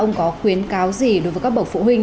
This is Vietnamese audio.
ông có khuyến cáo gì đối với các bậc phụ huynh